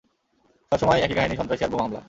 সবসময় একই কাহিনী সন্ত্রাসী আর বোমা হামলা।